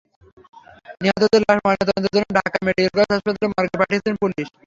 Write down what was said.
নিহতের লাশ ময়নাতদন্তের জন্য ঢাকা মেডিকেল কলেজ হাসপতালের মর্গে পাঠিয়েছে পুলিশ।